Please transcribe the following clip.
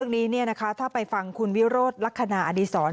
เรื่องนี้ถ้าไปฟังคุณวิโรธลักษณะอดีศร